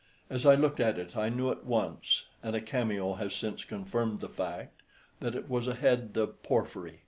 As I looked at it I knew at once (and a cameo has since confirmed the fact) that it was a head of Porphyry.